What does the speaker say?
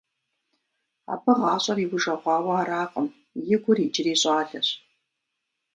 Абы гъащӀэр иужэгъуауэ аракъым, и гур иджыри щӀалэщ.